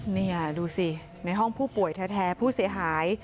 นี่ดูสิในห้องผู้ป่วยแท้ผู้เสียหาย